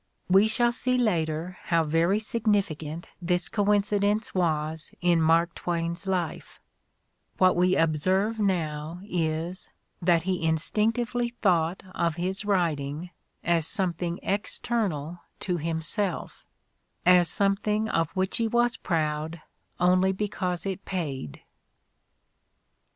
"We shall see later how very significant this coincidence was in Mark Twain's life: what we observe now is that he instinctively thought of his writing as something external to himself, as something of which he was proud only because it paid.